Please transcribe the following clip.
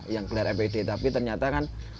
yang kelar fid tapi ternyata kan